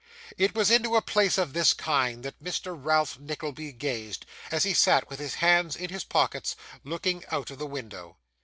It was into a place of this kind that Mr. Ralph Nickleby gazed, as he sat with his hands in his pockets looking out of the window.